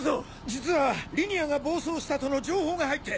実はリニアが暴走したとの情報が入って！